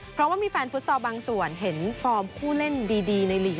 เพราะว่ามีแฟนฟุตซอลบางส่วนเห็นฟอร์มผู้เล่นดีในหลีก